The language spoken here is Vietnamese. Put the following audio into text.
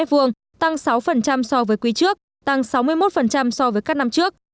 tăng sáu so với quý trước tăng sáu mươi một so với các năm trước